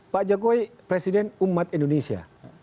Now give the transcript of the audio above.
pak jokowi presiden umat indonesia